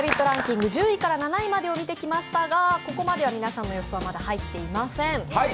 ランキング１０位から７位を見てきましたがここまでは皆さんの予想は入っていません。